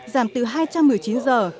giảm từ hai trăm một mươi chín giờ